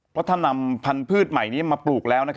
เพราะถ้านำพันธุ์ใหม่นี้มาปลูกแล้ว